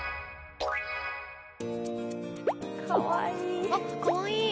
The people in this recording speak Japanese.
かわいい。